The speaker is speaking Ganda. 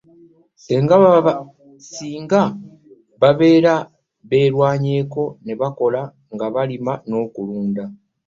Singa babeera beerwanyeeko ne bakola nga balima n'okulunda.